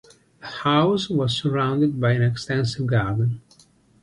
The house was surrounded by an extensive garden.